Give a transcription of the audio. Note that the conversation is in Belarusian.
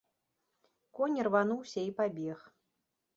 Конь ірвануўся і пабег.